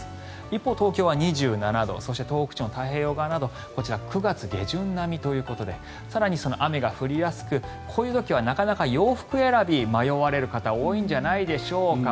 一方、東京は２７度そして東北地方の太平洋側などこちら９月下旬並みということで更に雨が降りやすくこういう時はなかなか洋服選びに迷われる方多いんじゃないでしょうか。